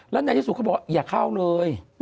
แล้วในที่สุดเขาบอกว่าอย่าเข้าเลย